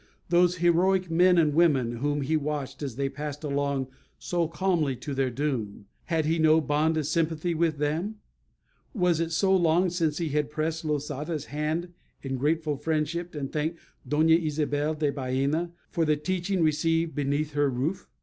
Those heroic men and women, whom he watched as they passed along so calmly to their doom, had he no bond of sympathy with them? Was it so long since he had pressed Losada's hand in grateful friendship, and thanked Doña Isabella de Baena for the teaching received beneath her roof?